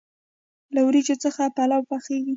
له وریجو څخه پلو پخیږي.